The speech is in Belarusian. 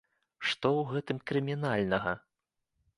Што ў гэтым крымінальнага?